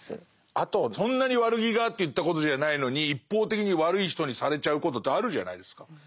あとそんなに悪気があって言ったことじゃないのに一方的に悪い人にされちゃうことってあるじゃないですか。